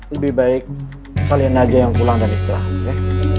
lebih baik kalian aja yang pulang dan istirahat ya